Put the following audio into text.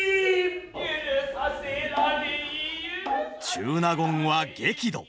中納言は激怒！